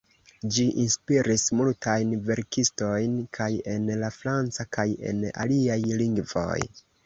Ĝi inspiris multajn verkistojn kaj en la franca kaj en aliaj lingvoj.